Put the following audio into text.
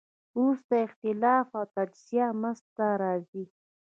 وروسته اختلاف او تجزیه منځ ته راځي.